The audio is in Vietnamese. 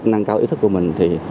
năng cao ý thức của mình